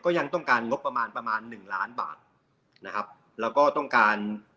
ยังต้องการงบประมาณประมาณหนึ่งล้านบาทนะครับแล้วก็ต้องการ